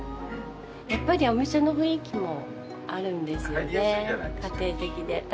やっぱりお店の雰囲気もあるんですよね。